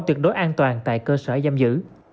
tuyệt đối an toàn tại cơ sở giam giữ